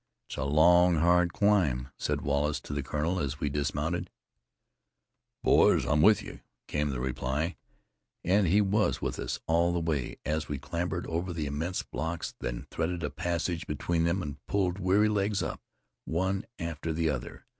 "It's a long, hard climb," said Wallace to the Colonel, as we dismounted. "Boys, I'm with you," came the reply. And he was with us all the way, as we clambered over the immense blocks and threaded a passage between them and pulled weary legs up, one after the other.